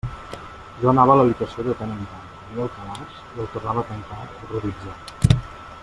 Jo anava a l'habitació de tant en tant, obria el calaix i el tornava a tancar horroritzat.